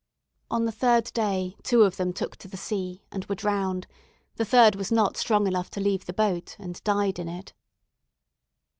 On the third day, two of them took to the sea, and were drowned; the third was not strong enough to leave the boat, and died in it.